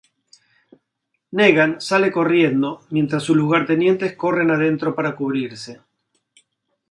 Negan sale corriendo mientras sus lugartenientes corren adentro para cubrirse.